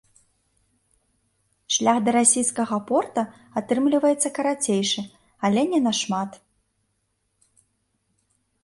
Шлях да расійскага порта атрымліваецца карацейшы, але не нашмат.